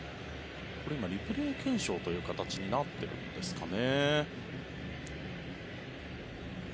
今、リプレー検証という形になってるんですかね。